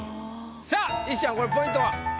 さあ石ちゃんこれポイントは？